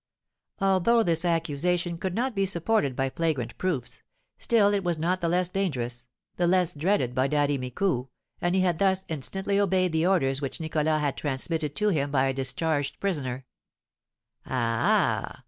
Although this accusation could not be supported by flagrant proofs, still it was not the less dangerous, the less dreaded by Daddy Micou, and he had thus instantly obeyed the orders which Nicholas had transmitted to him by a discharged prisoner. "Ah, ah!